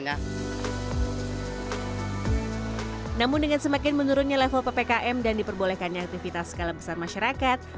namun dengan semakin menurunnya level ppkm dan diperbolehkannya aktivitas skala besar masyarakat